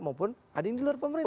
maupun ada yang di luar pemerintah